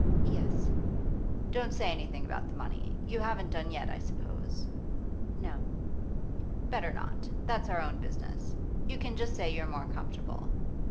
'Yes.' 'Don't say anything about the money. You haven't done yet, I suppose?' 'No.' 'Better not That's our own business. You can just say you're more comfortable.